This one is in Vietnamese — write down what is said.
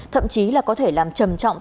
thậm chí là có thể làm trầm trọng